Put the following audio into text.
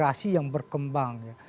bagaimana operasi yang berkembang